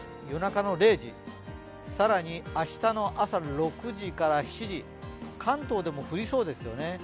夜中の０時更に明日の朝６時から７時関東でも降りそうですよね。